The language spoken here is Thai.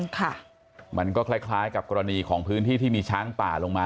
ค่ะมันก็คล้ายคล้ายกับกรณีของพื้นที่ที่มีช้างป่าลงมา